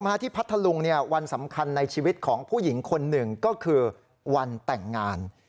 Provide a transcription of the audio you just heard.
ที่พัทธลุงวันสำคัญในชีวิตของผู้หญิงคนหนึ่งก็คือวันแต่งงาน